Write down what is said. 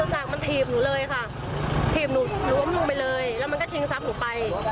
หนูเลยค่ะหนูรบลูกไปเลยแล้วมันก็ทิ้งทรัพย์หมูไป